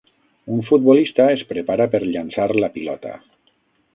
Un futbolista es prepara per llançar la pilota.